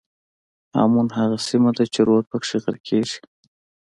هامون هغه سیمه ده چې رود پکې غرقېږي.